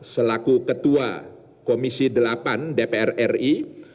selaku ketua komisi delapan dpr ri